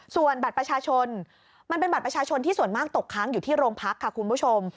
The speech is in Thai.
ส่วนบัตรประชาชนมันเป็นบัตรประชาชนที่ส่วนมากตกค้างอยู่ที่โรงพักค่ะคุณผู้ชม